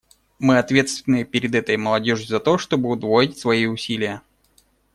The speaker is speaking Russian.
Мы ответственны перед этой молодежью за то, чтобы удвоить свои усилия.